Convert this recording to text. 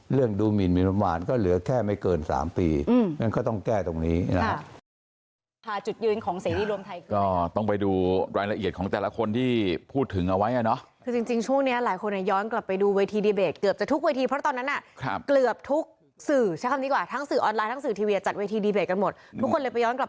เรื่องดูหมินประมาณก็เหลือแค่ไม่เกิน๓ปีงั้นก็ต้องแก้ตรงนี้นะครับ